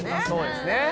そうですね。